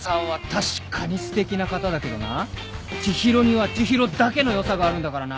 確かにすてきな方だけどな知博には知博だけの良さがあるんだからな。